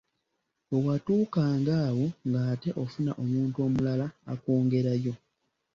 Bwe watuukanga awo nga ate ofuna muntu mulala akwongerayo.